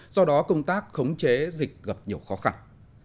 do đó công tác khống chế dịch gặp nhiều khó khăn